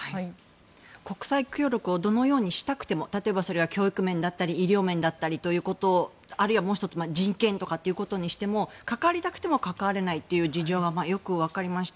国際協力をどうしたくても教育面だったり医療面だったりということあるいは人権ということにしても関わりたくても関われないという事情がよく分かりました。